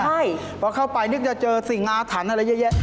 เพราะเข้าไปนึกจะเจอสิงหาฐานอะไรเยอะ